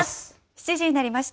７時になりました。